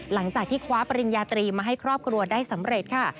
หลังจากที่คว้าปริญญาตรีมาให้ครอบครัวได้สำเร็จค่ะ